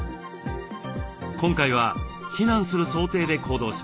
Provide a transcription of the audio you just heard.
今回は避難する想定で行動します。